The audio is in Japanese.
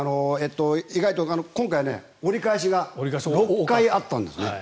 やっぱり今回折り返しが６回あったんです。